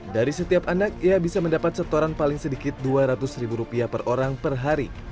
dari setiap anak ia bisa mendapat setoran paling sedikit dua ratus ribu rupiah per orang per hari